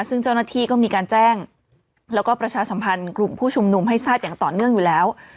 ซึ่งเจ้าหน้าที่ก็มีการแจ้งแล้วก็ประชาสัมพันธ์กลุ่มผู้ชุมนุมให้ทราบอย่างต่อเนื่องอยู่แล้ว